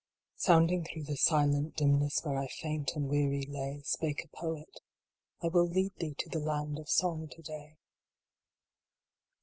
" Sounding through the silent dimness Where I faint and weary lay, Spake a poet : I will lead thee To the land of song to day.